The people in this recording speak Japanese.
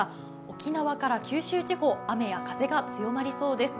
沖縄から九州地方、雨や風が強まりそうです。